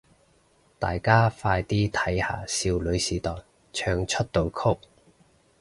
大家快啲睇下少女時代唱出道曲